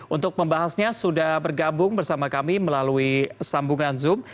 untuk membahasnya sudah bergabung bersama kami melalui sambungan zoom